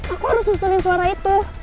aku harus nyusulin suara itu